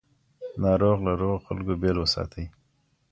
ناروغ له روغو خلکو بیل وساتئ.